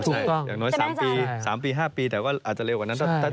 ถูกต้องอย่างน้อย๓๕ปีแต่ว่าอาจจะเร็วกว่านั้น